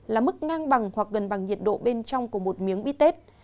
là mức ngang bằng hoặc gần bằng nhiệt độ bên trong của một miếng bít tết